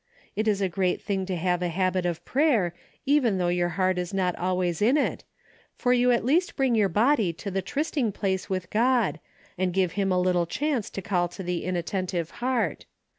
It is a great thing to have a habit of prayer, even though your heart is not al ways in it, for you at least bring your body to the trysting place with God, and give him a little chance to call to the inattentive heart.